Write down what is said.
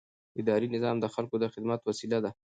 اداري نظام د خلکو د خدمت وسیله ده.